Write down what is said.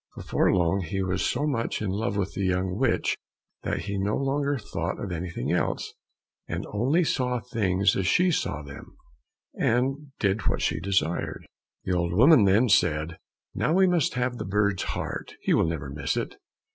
Before long he was so much in love with the young witch that he no longer thought of anything else, and only saw things as she saw them, and did what she desired. The old woman then said, "Now we must have the bird's heart, he will never miss it."